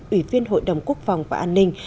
quỷ viên hội đồng quốc phòng và an ninh